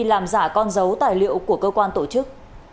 làm giả con dấu tài liệu của cơ quan tổ chức